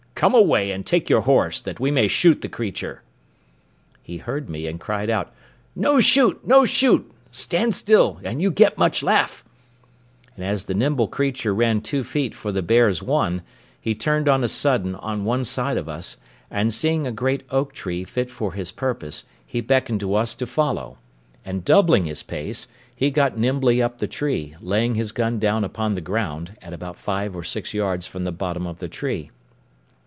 Come away, and take your horse, that we may shoot the creature." He heard me, and cried out, "No shoot, no shoot; stand still, and you get much laugh:" and as the nimble creature ran two feet for the bear's one, he turned on a sudden on one side of us, and seeing a great oak tree fit for his purpose, he beckoned to us to follow; and doubling his pace, he got nimbly up the tree, laying his gun down upon the ground, at about five or six yards from the bottom of the tree.